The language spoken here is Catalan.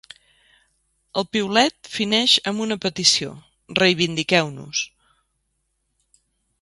El piulet fineix amb una petició: ‘Reivindiqueu-nos’.